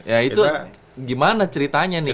ya itu gimana ceritanya nih